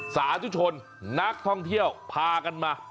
สาธุชนนักท่องเที่ยวพากันมา